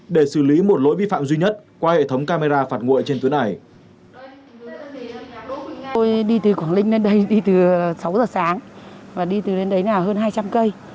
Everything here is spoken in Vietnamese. để xử lý một lỗi vi phạm duy nhất qua hệ thống camera phạt nguội trên tuyến này